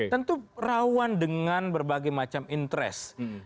tentu rawan dengan berbagai macam interest